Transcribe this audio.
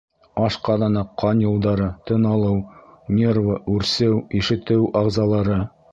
— Ашҡаҙаны, ҡан юлдары, тын алыу, нервы, үрсеү, ишетеү ағзалары...